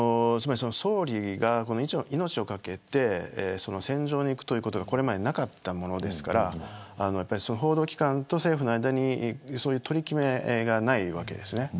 総理が命を懸けて戦場に行くということがこれまでなかったものですから報道機関と政府の間にそういう取り決めがないわけです。